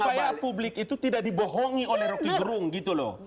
supaya publik itu tidak dibohongi oleh roky gerung gitu loh